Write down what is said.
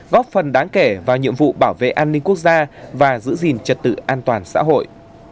góp phần đáng kể vào nhiệm vụ bảo vệ an ninh quốc gia và giữ gìn trật tự an toàn xã hội